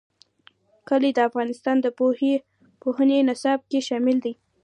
کلي د افغانستان د پوهنې نصاب کې شامل دي.